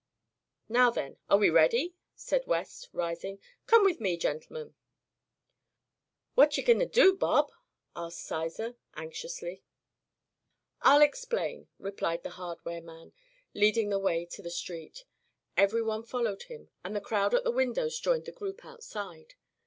"Now, then, are we ready?" staid West, rising. "Come with me, gentlemen." "What ye goin' to do, Bob?" asked Sizer, anxiously. "I'll explain," replied the hardware man, leading the way to the street. Everyone followed him and the crowd at the windows joined the group outside.